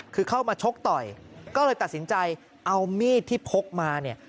คือเข้ามาชกต่อยก็เลยตัดสินใจเอามีดที่พกมาเนี่ย